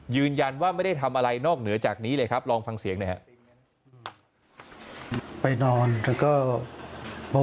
ยืนยันว่าไม่ได้ทำอะไรนอกเหนือจากนี้เลยครับลองฟังเสียงหน่อยครับ